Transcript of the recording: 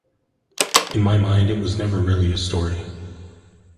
In my mind it was never really a story.